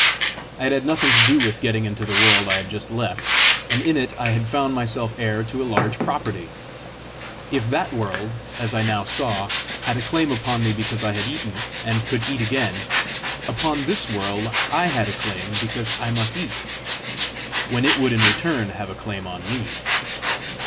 I had had nothing to do with getting into the world I had just left, and in it I had found myself heir to a large property! If that world, as I now saw, had a claim upon me because I had eaten, and could eat again, upon this world I had a claim because I must eat when it would in return have a claim on me!